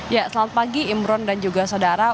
ya selamat pagi imron dan juga saudara